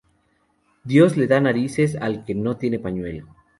Dios le da narices al que no tiene pañuelo